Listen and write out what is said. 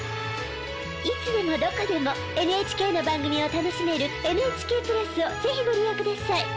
いつでもどこでもＮＨＫの番組を楽しめるＮＨＫプラスを是非ご利用ください。